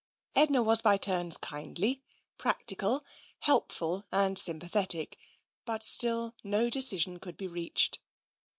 Edna was by turns kindly, practical, helpful and sympathetic, but still no decision could be reached.